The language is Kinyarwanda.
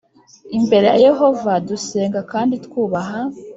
imbere ya Yehova dusenga kandi twubaha